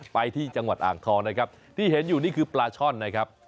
ไปที่จังหวัดอ่างทองนะครับที่เห็นอยู่นี่คือปลาช่อนนะครับ